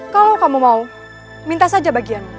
kalau kamu mau minta saja bagian